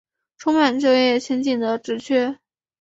充满就业前景的职缺